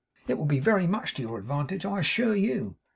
'It will be very much to your advantage, I assure you.